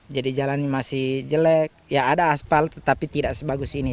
jadi jalannya masih jelek ya ada aspal tetapi tidak sebagus ini